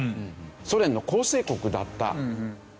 ソ連の構成国だった。